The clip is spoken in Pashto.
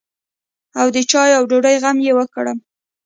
او د چايو او ډوډۍ غم يې وکړم.